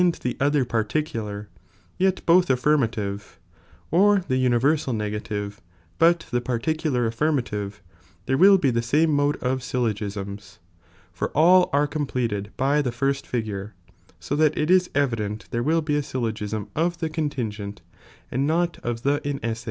cum or the other particular, yet both affirmative, or the p"''"'^"" nniversal negative but the particular affirmative, there will be tlic name mode of syllogisms ; for all are com pleted by the 6rst figure so that it is evident (here will be a syllogism of the contingent and not of the incsss.